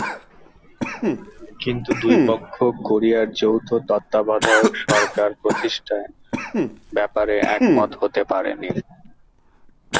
কিন্তু দুই পক্ষ কোরিয়ায় যৌথ তত্ত্বাবধায়ক সরকার প্রতিষ্ঠার ব্যাপারে একমত হতে পারেনি।